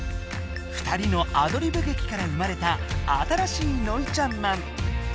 二人のアドリブ劇から生まれた新しいノイちゃんまん。